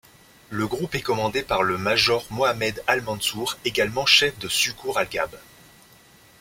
Le groupe est commandé par le major Mohammed al-Mansour, également chef de Suqour al-Ghab.